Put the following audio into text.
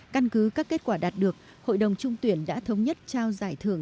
căn cứ các kết quả đạt được hội đồng trung tuyển đã thống nhất trao giải thưởng